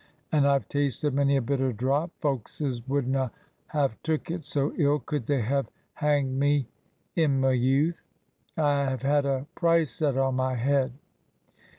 And IVe tasted many a bitter drop. Folkses would na have took it so ill could they have hanged me i' my youth. I have had a price set on my head."